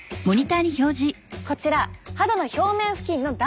こちら肌の表面付近の断面図。